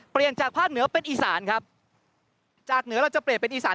จากภาคเหนือเป็นอีสานครับจากเหนือเราจะเปลี่ยนเป็นอีสาน